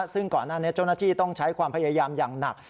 ซึ่งก่อนหน้านี้เจ้าหน้าที่ต้องใช้ความพยายามอย่างหนัก